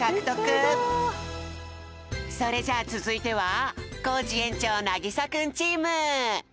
それじゃあつづいてはコージ園長なぎさくんチーム。